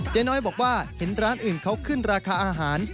น้อยบอกว่าเห็นร้านอื่นเขาขึ้นราคาอาหาร